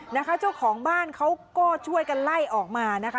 นะคะเจ้าของบ้านเขาก็ช่วยกันไล่ออกมานะคะ